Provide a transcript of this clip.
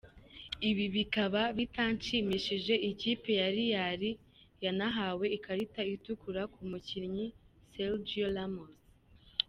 Ibi bikaba bitashimishije ikipe ya real yanahawe ikarita itukura ku mukinnyi Sergio Ramos.